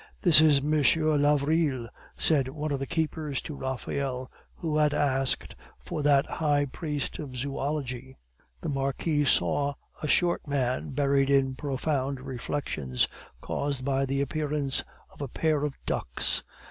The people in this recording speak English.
"That is M. Lavrille," said one of the keepers to Raphael, who had asked for that high priest of zoology. The Marquis saw a short man buried in profound reflections, caused by the appearance of a pair of ducks.